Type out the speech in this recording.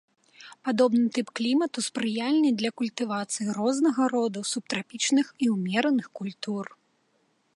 Падобны тып клімату спрыяльны для культывацыі рознага роду субтрапічных і ўмераных культур.